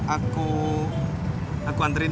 aku aku anterin ya